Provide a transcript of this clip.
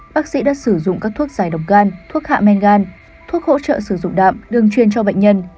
bác sĩ đã sử dụng các thuốc giải độc gan thuốc hạ men gan thuốc hỗ trợ sử dụng đạm đường chuyên cho bệnh nhân